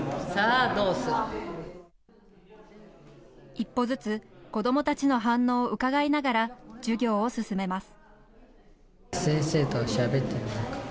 一歩ずつ、子どもたちの反応をうかがいながら授業を進めます。